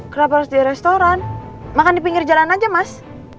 keras di restoran makan di pinggir jalan aja mas